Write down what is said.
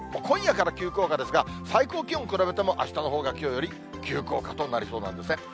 今夜から急降下ですが、最高気温比べても、あしたのほうがきょうより急降下となりそうなんですね。